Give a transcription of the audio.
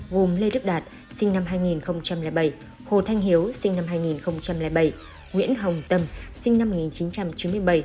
gồm lê đức đạt sinh năm hai nghìn bảy hồ thanh hiếu sinh năm hai nghìn bảy nguyễn hồng tâm sinh năm một nghìn chín trăm chín mươi bảy